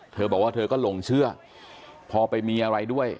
เธอบอกว่าเธอก็หลงเชื่อพอไปมีอะไรด้วย